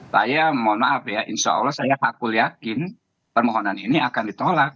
saya mohon maaf ya insya allah saya vakul yakin permohonan ini akan ditolak